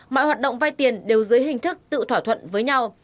mọi hoạt động vay tiền đều dưới hình thức tự thỏa thuận với nhau